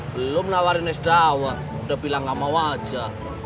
belum nawarin es dawat udah bilang gak mau aja